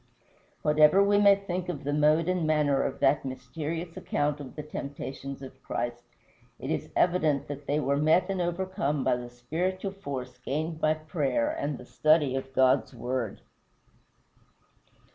Whatever we may think of the mode and manner of that mysterious account of the temptations of Christ, it is evident that they were met and overcome by the spiritual force gained by prayer and the study of God's word.